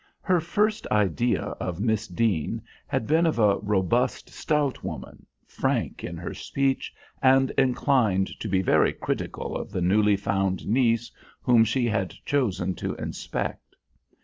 Her first idea of Miss Deane had been of a robust, stout woman, frank in her speech and inclined to be very critical of the newly found niece whom she had chosen to inspect.